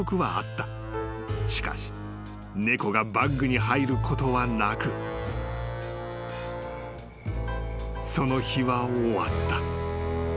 ［しかし猫がバッグに入ることはなくその日は終わった］